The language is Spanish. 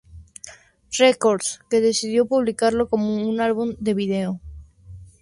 Records, que decidió publicarlo como un álbum de vídeo.